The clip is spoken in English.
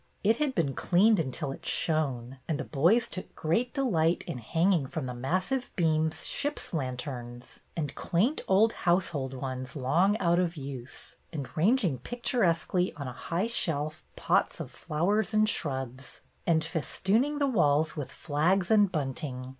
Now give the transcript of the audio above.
It had been cleaned until it shone, and the boys took great delight in hanging from the massive beams ships' lanterns and quaint old household ones long out of use, and ranging picturesquely on a high shelf pots of flowers and shrubs, and festooning the walls with flags and bunting.